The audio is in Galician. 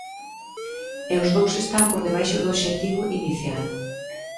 E os dous están por debaixo do obxectivo inicial.